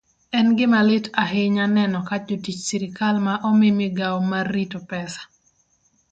En gima lit ahinya neno ka jotich sirkal ma omi migawo mar rito pesa